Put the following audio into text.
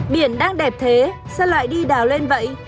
biển đang đẹp thế sơn lại đi đào lên vậy